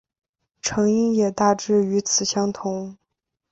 成因也大致与此相同。